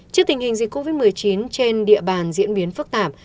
trước tình hình dịch covid một mươi chín trên địa bàn diễn biến phức tạp